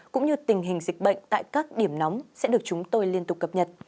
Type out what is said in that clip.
cũng như tình hình dịch bệnh tại các điểm nóng sẽ được chúng tôi liên tục cập nhật